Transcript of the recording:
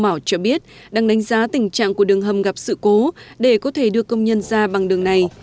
bảo cho biết đang đánh giá tình trạng của đường hầm gặp sự cố để có thể đưa công nhân ra bằng đường này